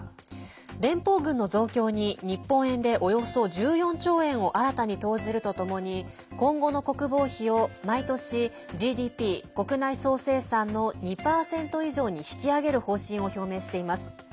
連邦軍の増強に日本円で、およそ１４兆円を新たに投じるとともに今後の国防費を毎年ＧＤＰ＝国内総生産の２％以上に引き上げる方針を表明しています。